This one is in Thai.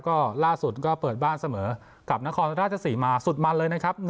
ก็ล่าสุดก็เปิดบ้านเสมอกับนครราชศรีมาสุดมันเลยนะครับ